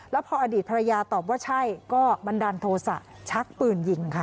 แล้วพออดีตภรรยาตอบว่าใช่ก็บันดาลโทษะชักปืนยิงค่ะ